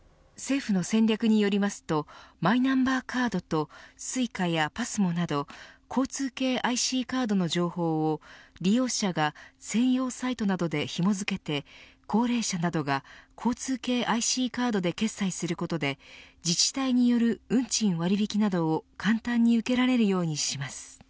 政府の戦略によりますとマイナンバーカードとＳｕｉｃａやＰＡＳＭＯなど交通系ＩＣカードの情報を利用者が専用サイトなどでひも付けて高齢者などが交通系ＩＣカードで決済することで自治体による運賃割引などを簡単に受けられるようにします。